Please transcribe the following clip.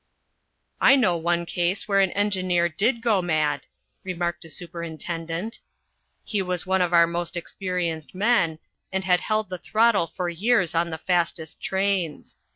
"I know one case where an engineer did go mad," remarked a superintendent. "He was one of our most experienced men, and had held the throttle for years on the fastest trains.